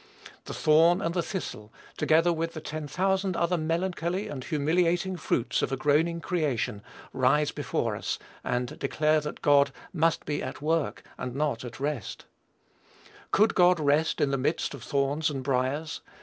The thorn and the thistle, together with the ten thousand other melancholy and humiliating fruits of a groaning creation, rise before us, and declare that God must be at work and not at rest. Could God rest in the midst of thorns and briers?